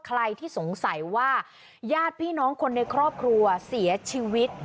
ใครที่สงสัยว่าญาติพี่น้องคนในครอบครัวเสียชีวิต